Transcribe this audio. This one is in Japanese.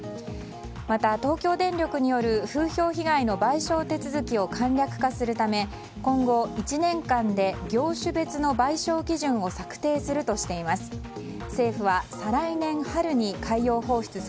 また、東京電力による風評被害の賠償手続きを簡略化するため、今後１年間で業種別の賠償基準を策定するとしています。